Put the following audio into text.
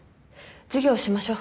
授業しましょう。